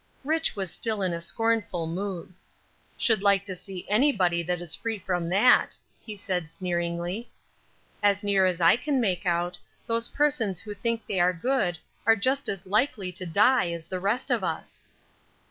Rich. was still in a scornful mood. "Should like to see anybody that is free from that!" he said, sneeringly. "As near as I can make out, those persons who think they are good are just as likely to die as the rest of us."